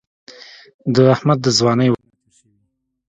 د احمد د ځوانۍ وختونه تېر شوي